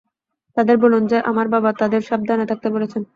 তাদের বলুন যে আমার বাবা তাদের সাবধানে থাকতে বলেছেন।